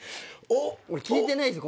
俺聞いてないですよ